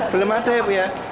belum ada ya